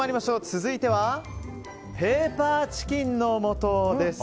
続いてはペーパーチキンの素です。